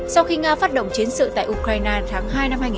sau khi nga phát động chiến sự tại ukraine tháng hai năm hai nghìn hai mươi